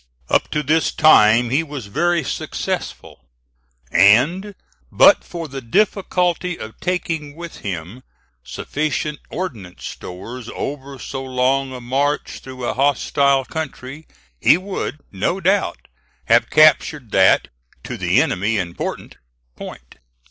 Up to this time he was very successful; and but for the difficulty of taking with him sufficient ordnance stores over so long a march, through a hostile country, he would, no doubt, have captured that, to the enemy important, point.